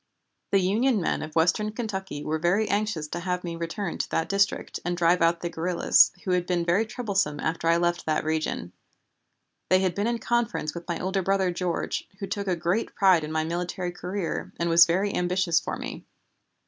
The Union men of western Kentucky were very anxious to have me return to that district and drive out the guerrillas, who had been very troublesome after I had left that region. They had been in conference with my older brother George, who took a great pride in my military career and was very ambitious for me.